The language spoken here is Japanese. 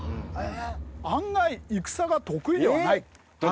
案外戦が得意ではない。え！？